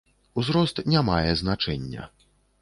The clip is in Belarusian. Узрост не мае значэння.